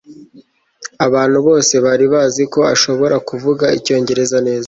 abantu bose bari bazi ko ashobora kuvuga icyongereza neza